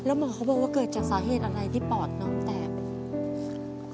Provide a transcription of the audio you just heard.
แล้วหมอเขาบอกว่าเกิดจากสาเหตุอะไรที่ปอดน้องแตก